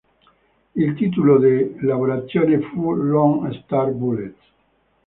Il titolo di lavorazione fu "Lone Star Bullets".